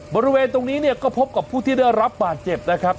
บริเวณตรงนี้เนี่ยก็พบกับผู้ที่ได้รับบาดเจ็บนะครับ